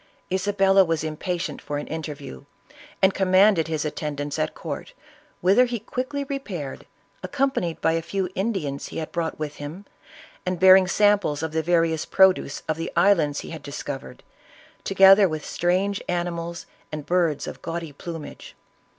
Isabella was impatient for an interview, and commanded his attendance at court, whither he quickly repaired, accompanied by a few Indians he had brought with him, and bearing samples of the vari ous produce of the islands he had discovered, together with strange animals, and Birds of gaudy plumage.